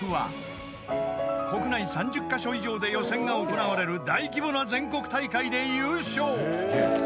［国内３０カ所以上で予選が行われる大規模な全国大会で優勝］